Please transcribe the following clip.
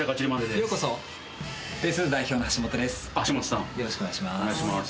よろしくお願いします